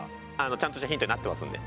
ちゃんとしたヒントになってますんで。